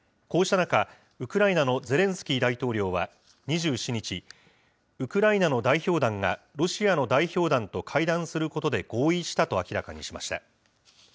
こうした中、ウクライナのゼレンスキー大統領は２７日、ウクライナの代表団がロシアの代表団と会談することで合意したと明らかにしました。